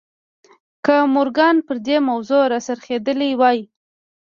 که مورګان پر دې موضوع را څرخېدلی وای